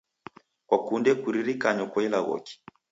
Kwakunde kuririkanyo kwa ilaghoki?